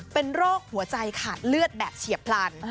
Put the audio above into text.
เป็นโรคหัวใจขาดเลือดแบบเฉียบพลัน